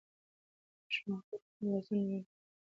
ماشوم خپل کوچني لاسونه د ونې تنې ته ونیول.